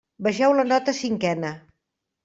Vegeu la nota cinquena.